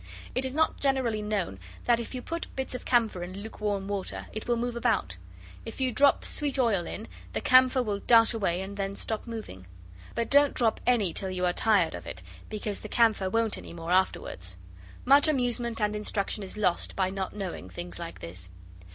It is not generally known that if you put bits of camphor in luke warm water it will move about. If you drop sweet oil in, the camphor will dart away and then stop moving. But don't drop any till you are tired of it, because the camphor won't any more afterwards. Much amusement and instruction is lost by not knowing things like this.